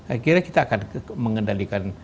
akhirnya kita akan mengendalikan